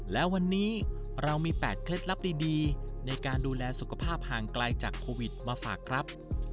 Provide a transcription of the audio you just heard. และวันนี้เรามี๘เคล็ดลับดีในการดูแลสุขภาพห่างไกลจากโควิดมาฝากครับ